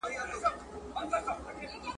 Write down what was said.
بل ته پاته سي که زر وي که دولت وي ,